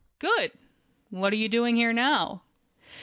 "Good! What are you doing here now?"